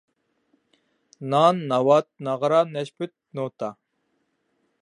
نان، ناۋات، ناغرا، نەشپۈت، نوتا.